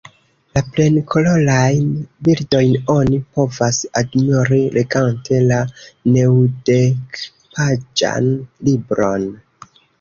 La plenkolorajn bildojn oni povas admiri legante la naŭdekpaĝan libron.